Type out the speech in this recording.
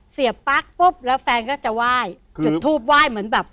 เสียบปั๊กปุ๊บแล้วแฟนก็จะไหว้จุดทูปไหว้เหมือนแบบ